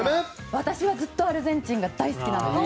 私はずっとアルゼンチンが大好きなので。